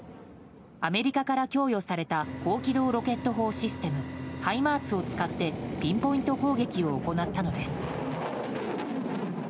アメリカから供与された高軌道ロケット砲システムハイマースを使ってピンポイント攻撃を行ったのです。